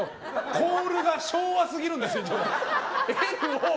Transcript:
コールが昭和すぎるんですよ。